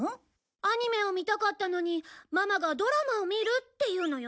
アニメを見たかったのにママが「ドラマを見る」って言うのよ。